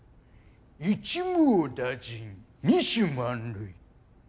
一網打尽二死満塁。